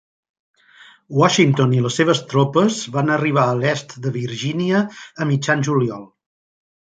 Washington i les seves tropes van arribar a l'est de Virgínia a mitjan juliol.